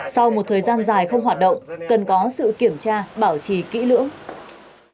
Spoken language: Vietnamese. sau một thời gian dài không hoạt động cần có sự kiểm tra bảo trì kỹ lưỡng